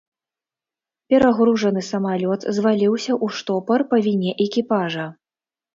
Перагружаны самалёт зваліўся ў штопар па віне экіпажа.